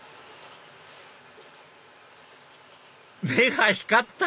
目が光った！